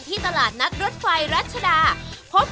คนที่มาทานอย่างเงี้ยควรจะมาทานแบบคนเดียวนะครับ